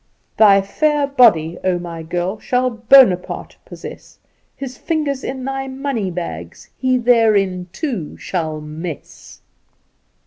"Thy fair body, oh, my girl, Shall Bonaparte possess; His fingers in thy money bags, He therein, too, shall mess."